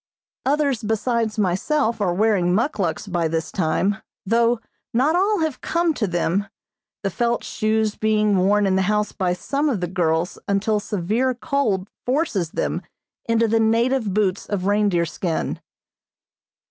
Others besides myself are wearing muckluks by this time, though not all have come to them, the felt shoes being worn in the house some by the girls until severe cold forces them into the native boots of reindeer skin.